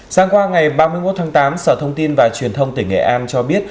sáng qua ngày ba mươi một tháng tám sở thông tin và truyền thông tỉnh nghệ an cho biết